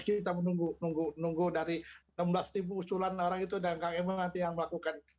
kita menunggu nunggu nunggu dari enam belas usulan narang itu dan kak emang nanti yang melakukan